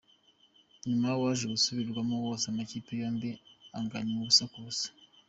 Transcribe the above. Nyuma waje gusubirwamo wose amakipe yombi anganya ubusa ku busa.